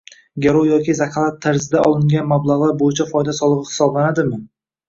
garov yoki zakalat tarzida olingan mablag‘lar bo‘yicha foyda solig‘i hisoblanadimi?